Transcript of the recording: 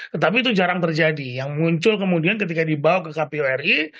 tetapi itu jarang terjadi yang muncul kemudian ketika dibawa ke kpu ri